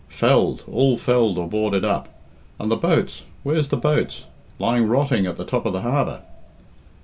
Felled, all felled or boarded up. And the boats where's the boats? Lying rotting at the top of the harbour."